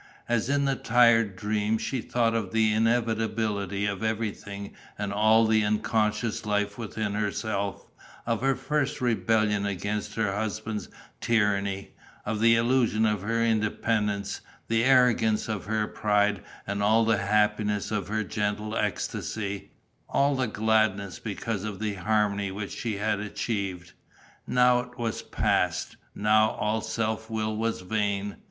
As in a tired dream she thought of the inevitability of everything and all the unconscious life within herself, of her first rebellion against her husband's tyranny, of the illusion of her independence, the arrogance of her pride and all the happiness of her gentle ecstasy, all her gladness because of the harmony which she had achieved.... Now it was past; now all self will was vain.